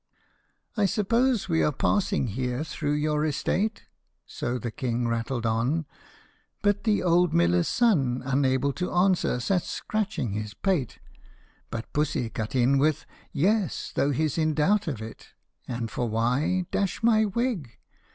I suppose we are passing here through your estate ?" So the King rattled on, But the old miller's son, Unable to answer, sat scratching his pate, But Pussy cut in with, " Yes ! though he 's in doubt of it ; And for why ? Dash my wig